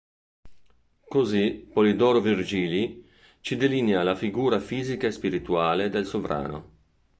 Così Polidoro Virgili ci delinea la figura fisica e spirituale del sovrano.